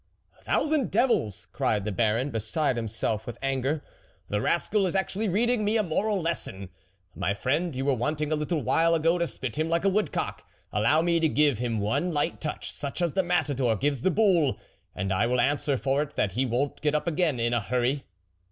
" Thousand devils ! cried the Baron, beside himself with anger," the rascal is actually reading me a moral lesson ! My friend, you were wanting a little while ago to spit him like a woodcock, allow me to give him one light touch, such as the matador gives the bull, and I will an swer for it, that he won't get up again in a hurry.